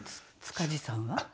塚地さんは？